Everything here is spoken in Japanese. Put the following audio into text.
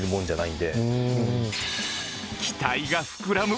期待が膨らむ